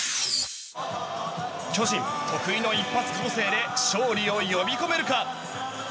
巨人、得意の一発攻勢で勝利を呼び込めるか。